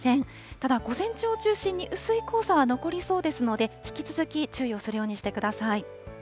ただ、午前中を中心に薄い黄砂は残りそうですので、引き続き注意をするようにしてください。